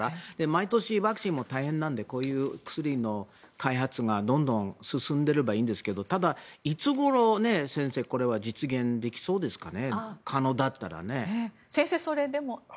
毎年、ワクチンも大変なのでこういう薬の開発がどんどん進めばいいんですがただ、先生いつごろこれは実現できそうですかね。